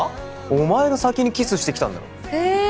お前が先にキスしてきたんだろへえ